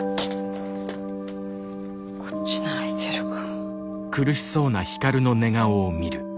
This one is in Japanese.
こっちならいけるか。